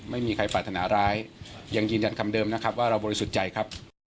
ไม่มีใครปรารถนาร้ายยังยืนยันคำเดิมนะครับว่าเราบริสุทธิ์ใจครับ